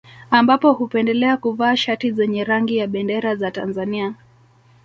Ambapo hupendelea kuvaa shati zenye rangi ya bendera za Tanzania